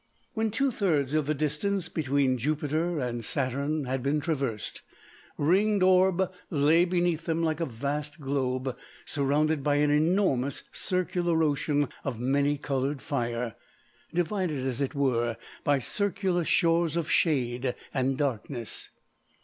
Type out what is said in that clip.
When two thirds of the distance between Jupiter and Saturn had been traversed, Ringed Orb lay beneath them like a vast globe surrounded by an enormous circular ocean of many coloured fire, divided, as it were, by circular shores of shade and darkness.